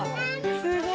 すごい。